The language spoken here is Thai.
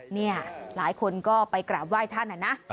นี่หลายคนก็ไปกราบไหว้ท่านนะนะ